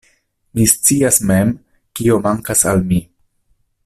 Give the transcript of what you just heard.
Mi scias mem, kio mankas al mi.